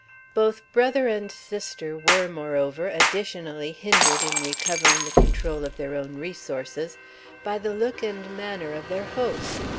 Both brother and sister were, moreover, additionally hindered in recovering the control of their own resources by the look and manner of their host.